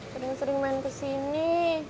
sering sering main ke sini